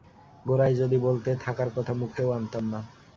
গোড়ায় যদি বলতে, থাকার কথা মুখেও আনতাম না।